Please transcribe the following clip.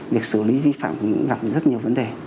việc xử lý vi phạm cũng gặp rất nhiều vấn đề